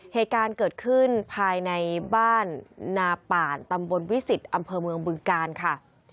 เหตุการณ์เกิดขึ้นภายในบ้านนาป่านตำบลวิสิตอำเภอเมืองบึงกาลค่ะ